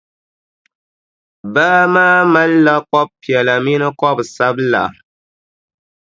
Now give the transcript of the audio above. Baa maa malila kɔbʼ piɛla mini kɔbʼ sabila.